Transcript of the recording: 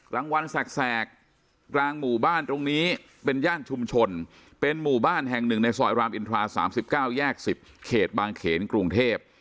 กลางวันแสกกลางหมู่บ้านตรงนี้เป็นย่านชุมชนเป็นหมู่บ้านแห่งหนึ่งในซอยรามอินทรา๓๙แยก๑๐เขตบางเขนกรุงเทพ